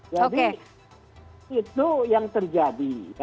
jadi itu yang terjadi